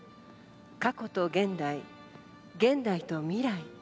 過去と現代、現代と未来。